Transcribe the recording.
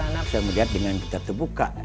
semangat sejahtera saya melihat dengan kita terbuka